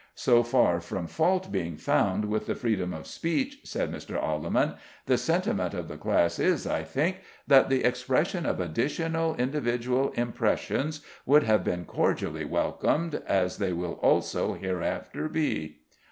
"So far from fault being found with the freedom of speech," said Mr. Alleman, "the sentiment of the class is, I think, that the expression of additional individual impressions would have been cordially welcomed, as they will also hereafter be."